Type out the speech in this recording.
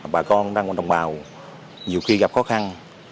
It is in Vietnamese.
bà con đăng đồng bào nhiều khi gặp khó khăn